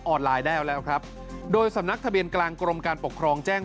ไลน์ได้แล้วครับโดยสำนักทะเบียนกลางกรมการปกครองแจ้ง